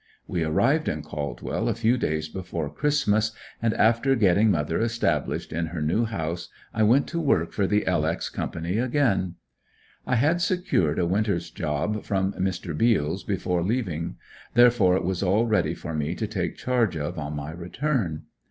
We arrived in Caldwell a few days before Christmas and after getting mother established in her new house, I went to work for the "L. X." company again. I had secured a winter's job from Mr. Beals before leaving therefore it was all ready for me to take charge of on my return.